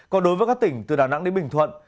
còn đối với các tỉnh từ đà nẵng đến bình thuận